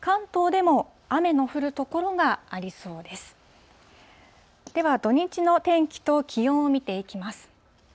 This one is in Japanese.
では、土日の天気と気温を見ていきます。